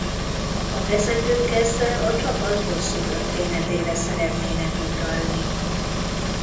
A vezetők ezzel a csapat hosszú történetére szeretnének utalni.